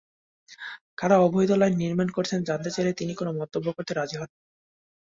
কারা অবৈধ লাইন নির্মাণ করছেন জানতে চাইলে তিনি কোনো মন্তব্য করতে রাজি হননি।